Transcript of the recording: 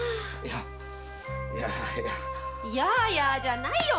ややじゃないよ